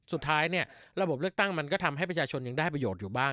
สุดท้ายเนี่ยระบบเลือกตั้งมันก็ทำให้ประชาชนยังได้ประโยชน์อยู่บ้าง